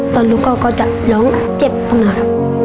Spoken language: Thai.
ตอนลุกเขาก็จะล้องเจ็บมากหน่อยครับ